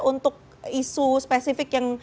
untuk isu spesifik yang